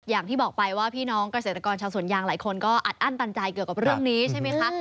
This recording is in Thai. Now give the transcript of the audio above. อย่างที่บอกไปว่าพี่น้องเกษตรกรชาวสวนยางหลายคนก็อัดอั้นตันใจเกี่ยวกับเรื่องนี้ใช่ไหมคะ